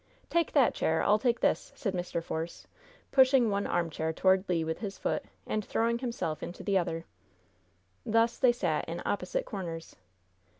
"Take that chair! I'll take this," said Mr. Force, pushing one armchair toward Le with his foot, and throwing himself into the other. Thus they sat in opposite corners.